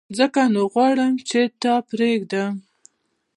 ځکه نو غواړم چي تا پرېږدم !